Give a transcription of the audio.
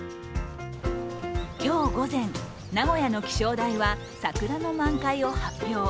今日午前、名古屋の気象台は桜の満開を発表。